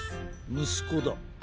むすこだ。